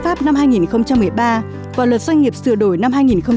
pháp năm hai nghìn một mươi ba và luật doanh nghiệp sửa đổi năm hai nghìn một mươi bảy